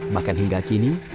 bahkan hingga kini